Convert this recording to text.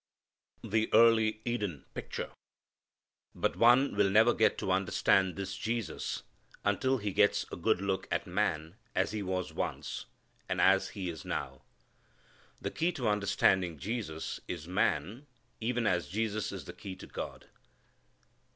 The Early Eden Picture. But one will never get to understand this Jesus until he gets a good look at man as he was once, and as he is now. The key to understanding Jesus is man, even as Jesus is the key to God.